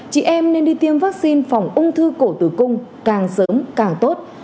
chị em nên đi tiêm vaccine phòng ung thư cổ tử cung càng sớm càng tốt